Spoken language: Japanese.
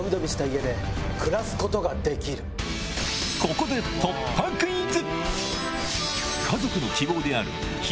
ここで突破クイズ！